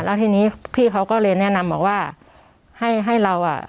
แล้วทีนี้พี่เขาก็เลยแนะนำบอกว่าให้ให้เราอ่ะ